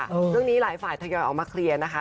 เรื่องนี้หลายฝ่ายทยอยออกมาเคลียร์นะคะ